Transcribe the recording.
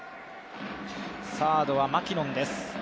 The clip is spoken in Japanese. サードはマキノンです。